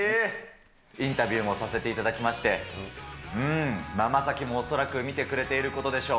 インタビューもさせていただきまして、うーん、将暉も恐らく見てくれていることでしょう。